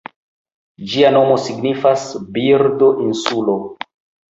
Ĝia nomo signifas "Birdo-insulo".